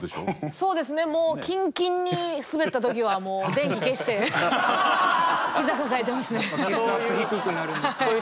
そうですねもうキンキンにスベった時は電気消して膝抱えてますね。